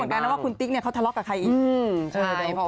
อาจริงว่าคุณติ๊กเขาทะเลาะกับใครอีก